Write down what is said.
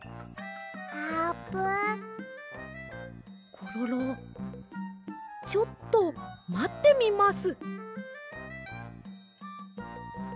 コロロちょっとまってみます。